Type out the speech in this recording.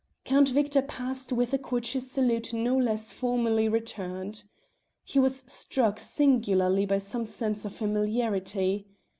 Count Victor passed with a courteous salute no less formally returned. He was struck singularly by some sense of familiarity.